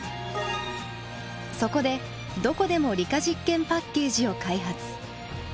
そこでどこでも理科実験パッケージを開発。